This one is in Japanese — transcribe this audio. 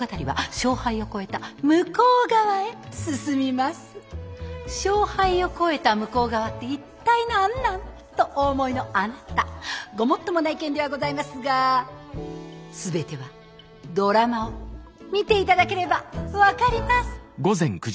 「勝敗を超えた向こう側って一体何なん？」とお思いのあなたごもっともな意見ではございますが全てはドラマを見て頂ければ分かります！